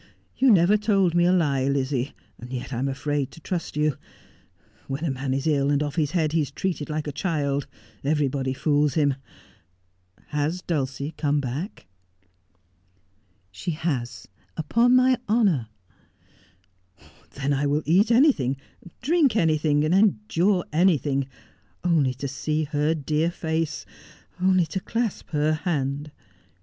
You never told me a lie, Lizzie, yet I'm afraid to trust you. When a man is ill and off his head he is treated like a child — everybody fools him. Has Dulcie come back 1 ' Who can Minister to a Mind Disexsed ? 193 ' She has, upon my honour.' 'Then I will eat anything — drink anything — endure anything — only to see her dear face — only to clasp her hand.'